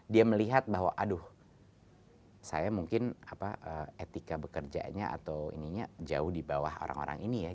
dia melihat bahwa aduh saya mungkin etika bekerjanya atau ininya jauh di bawah orang orang ini ya